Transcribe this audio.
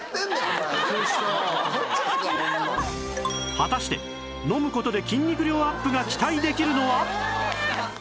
果たして飲む事で筋肉量アップが期待できるのは？